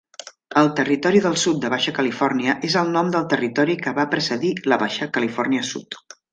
El Territori del Sud de Baixa Califòrnia és el nom del territori que va precedir la Baixa Califòrnia Sud.